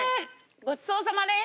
ごちそうさまです。